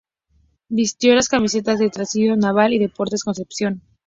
Vistió las camisetas de Trasandino, Naval y Deportes Concepción.